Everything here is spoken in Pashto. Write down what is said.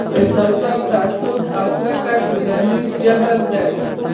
احساسات، تعصب او کرکه ټولنیز جبر دی.